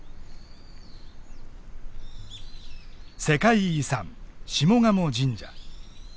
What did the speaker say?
世界遺産下鴨神社。